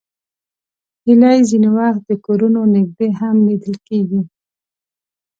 هیلۍ ځینې وخت د کورونو نږدې هم لیدل کېږي